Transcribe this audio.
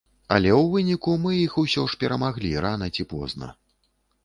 Але ў выніку мы іх усё ж перамаглі, рана ці позна.